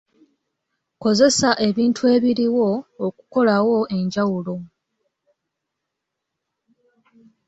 Kozesa ebintu ebiriwo okukolawo enjawulo.